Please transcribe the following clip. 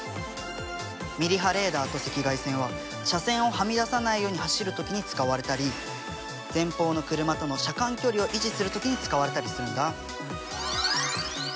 ミリ波レーダーと赤外線は車線をはみ出さないように走る時に使われたり前方の車との車間距離を維持する時に使われたりするんだ。